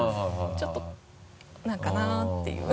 ちょっと何かなっていう。